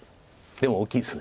でも大きいです。